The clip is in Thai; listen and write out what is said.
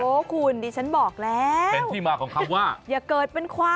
ไม่จำเป็นต้องเป็น